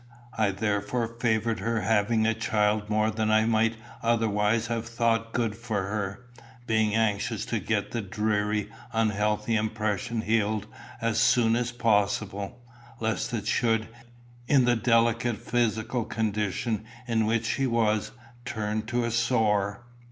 I therefore favoured her having the child more than I might otherwise have thought good for her, being anxious to get the dreary, unhealthy impression healed as soon as possible, lest it should, in the delicate physical condition in which she was, turn to a sore.